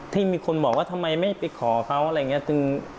ที่มีคนบอกว่าทำไมไม่ไปขอเขาอะไรอย่างนี้